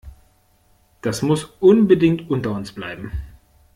Das muss unbedingt unter uns bleiben.